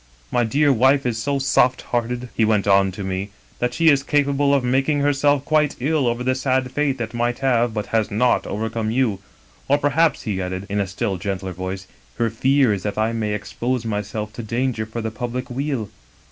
My dear wife is so soft hearted,' he went on to me, * that she is capable of making herself quite ill over the sad fate that might have, but has not, overcome you. Or, per haps,' he added, in a still gentler voice, ' her fear is that I may expose myself to danger for the public weal.'